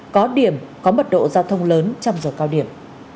có điểm có mật độ giao thông lớn trong giờ cao điểm